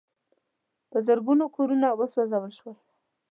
په زرګونو کورونه وسوځول شول.